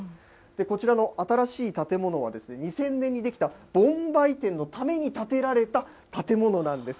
こちらの新しい建物は、２０００年に出来た、盆梅展のために建てられた建物なんです。